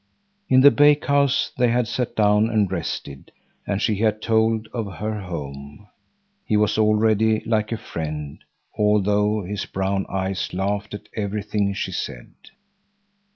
In the bakehouse they had sat down and rested, and she had told of her home. He was already like a friend, although his brown eyes laughed at everything she said.